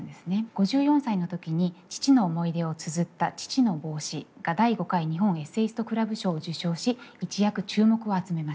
５４歳の時に父の思い出をつづった「父の帽子」が第５回日本エッセイスト・クラブ賞を受賞し一躍注目を集めました。